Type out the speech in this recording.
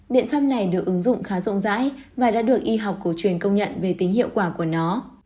biện pháp này được ứng dụng khá rộng rãi và đã được y học cổ truyền công nhận về tính hiệu quả của nó